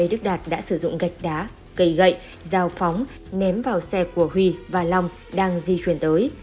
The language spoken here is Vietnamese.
đức đạt đã sử dụng gạch đá cây gậy dao phóng ném vào xe của huy và long đang di chuyển tới